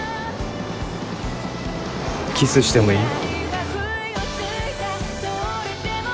キスしてもいい？